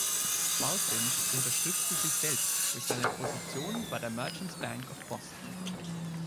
Bulfinch unterstützte sich selbst durch seine Position bei der Merchants' Bank of Boston.